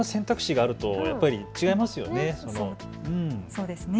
そうですよね。